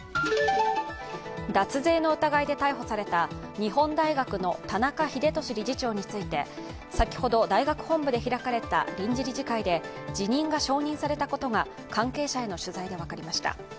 脱税の疑いで逮捕された日本大学の田中英寿理事長について先ほど大学本部で開かれた臨時理事会で辞任が承認されたことが関係者への取材で分かりました。